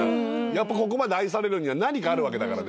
ここまで愛されるには何かあるわけだからね。